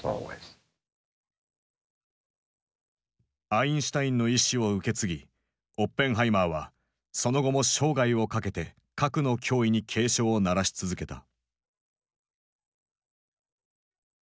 アインシュタインの遺志を受け継ぎオッペンハイマーはその後も生涯を懸けて核の脅威に警鐘を鳴らし続けた。